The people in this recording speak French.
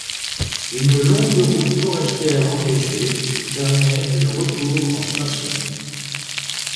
Une longue route forestière enneigée permet le retour en station.